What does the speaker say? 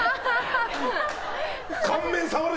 顔面触る